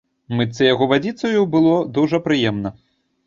Мыцца яго вадзіцаю было дужа прыемна.